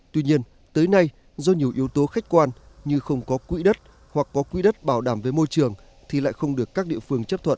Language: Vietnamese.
tuy nhiên tới nay do nhiều yếu tố khách quan như không có quỹ đất hoặc có quỹ đất bảo đảm với môi trường thì lại không được các địa phương chấp thuận